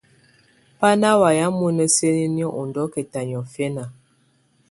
Bá ná wamɛ̀á mɔ́ná siǝ́niniǝ́ ú ndɔ̀kɛta niɔ̀fɛna.